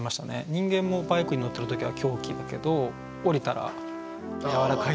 人間もバイクに乗ってる時は凶器だけどおりたら柔らかいですよね。